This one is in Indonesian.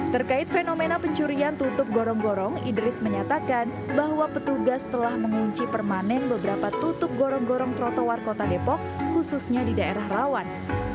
terkait fenomena pencurian tutup gorong gorong idris menyatakan bahwa petugas telah mengunci permanen beberapa tutup gorong gorong trotoar kota depok khususnya di daerah rawan